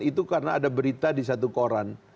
itu karena ada berita di satu koran